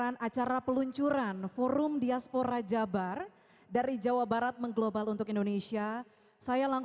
terima kasih tuhan